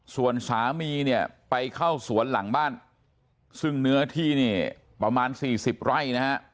ส่วนสามีเนี่ยไปเข้าสวนหลังบ้านซึ่งเนื้อที่เนี่ยประมาณ๔๐ไร่นะฮะ